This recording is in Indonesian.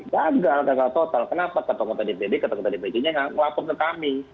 gagal gagal total kenapa ketua ketua dpd ketua ketua dpc nya nggak ngelaput ke kami